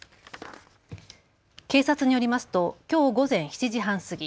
警察によりますときょう午前７時半過ぎ